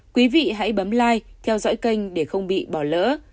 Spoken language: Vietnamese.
quý vị hãy bấm lai theo dõi kênh để không bị bỏ lỡ